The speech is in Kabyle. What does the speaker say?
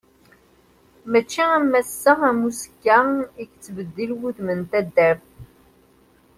Mačči am ass-a am uzekka i yettbeddil wudem n taddart.